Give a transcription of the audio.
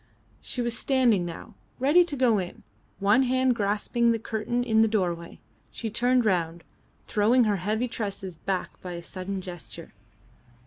She was standing now, ready to go in, one hand grasping the curtain in the doorway. She turned round, throwing her heavy tresses back by a sudden gesture.